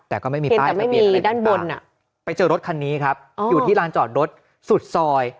แต่ก็ไม่มีป้ายแต่ไม่มีด้านบนอ่ะไปเจอรถคันนี้ครับอ๋ออยู่ที่ร้านจอดรถสุดซอย